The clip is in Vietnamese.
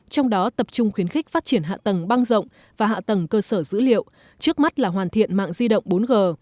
trong đó tập trung khuyến khích phát triển hạ tầng băng rộng và hạ tầng cơ sở dữ liệu trước mắt là hoàn thiện mạng di động bốn g